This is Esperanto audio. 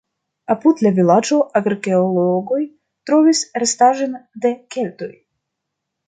Apud la vilaĝo arkeologoj trovis restaĵojn de keltoj.